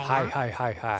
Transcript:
はいはいはいはい。